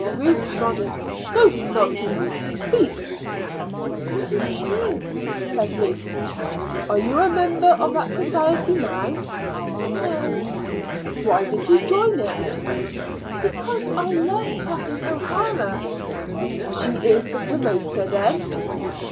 Ruth nodded. "Don't nod to me. Speak." "It is true," said Ruth. "Are you now a member of that society?" "No." "Why did you join it?" "Because I loved Kathleen O'Hara." "She is the promoter, then?"